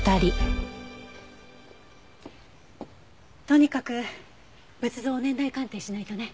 とにかく仏像を年代鑑定しないとね。